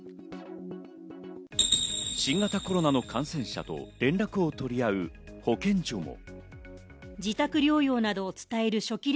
新型コロナの感染者と連絡を取り合う保健所も。